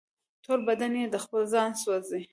ټول بدن یې د خپل ځانه سوزي